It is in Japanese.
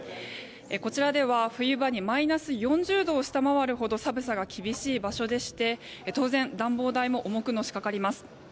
こちらでは冬場にマイナス４０度を下回るほど寒さが厳しい場所でして当然、暖房費も重くのしかかります。